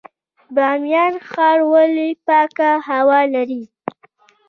بامیان ښار ولې پاکه هوا لري؟